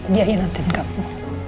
dia yang nantin kamu